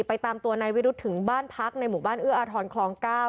ตามตัวนายวิรุธถึงบ้านพักในหมู่บ้านเอื้ออาทรคลอง๙